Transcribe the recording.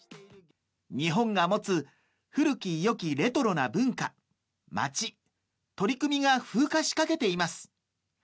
日本が持つ、古きよきレトロな文化、街、取り組みが風化しかけています。